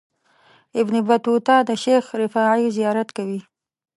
ابن بطوطه د شیخ رفاعي زیارت کوي.